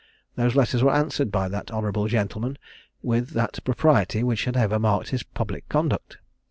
Those letters were answered by that honourable gentleman with that propriety which had ever marked his public conduct.